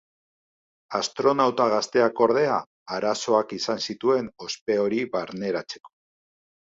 Astronauta gazteak ordea, arazoak izan zituen ospe hori barneratzeko.